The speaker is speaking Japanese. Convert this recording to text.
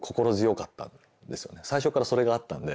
最初からそれがあったんで。